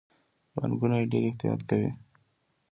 بانکونه یې ډیر احتیاط کوي.